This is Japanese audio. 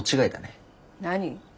何？